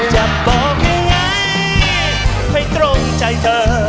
จะบอกยังไงให้ตรงใจเธอ